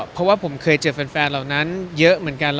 เพราะว่าผมเคยเจอแฟนเหล่านั้นเยอะเหมือนกัน